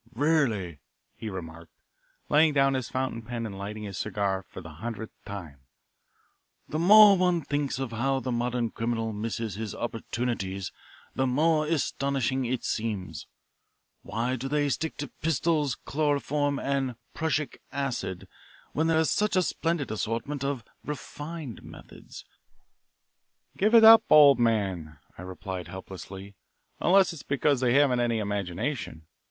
"Really," he remarked, laying down his fountain pen and lighting his cigar for the hundredth time, "the more one thinks of how the modern criminal misses his opportunities the more astonishing it seems. Why do they stick to pistols, chloroform, and prussic acid when there is such a splendid assortment of refined methods they might employ?" "Give it up, old man," I replied helplessly, "unless it is because they haven't any imagination.